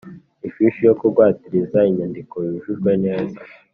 ifishi yo kugwatiriza inyandiko yujujwe neza